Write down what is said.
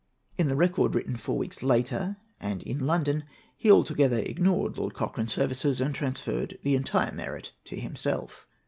In the record, written four weeks later and in London, he altogether ignored Lord Cochrane's services, and transferred the entire merit to himself.